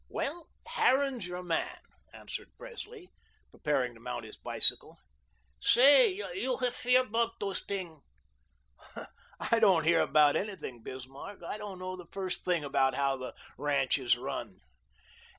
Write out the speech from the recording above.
"Well, Harran's your man," answered Presley, preparing to mount his bicycle. "Say, you hef hear about dose ting?" "I don't hear about anything, Bismarck. I don't know the first thing about how the ranch is run."